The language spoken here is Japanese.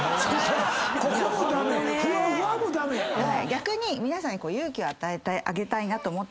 逆に皆さんに勇気を与えてあげたいなと思って。